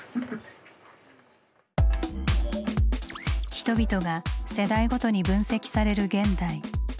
人々が世代ごとに分析される現代。